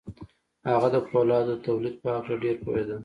هغه د پولادو د تولید په هکله ډېر پوهېده